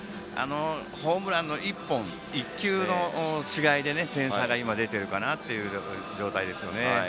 ホームランの１本、１球の違いで点差が今、出ているかなという状態ですよね。